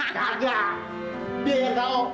tidak biar kau